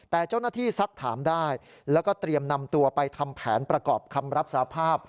แต่เจ้าหน้าที่ซักถามได้แล้วก็เตรียมนำตัวไปทำแผนประกอบคำรับสาภาพ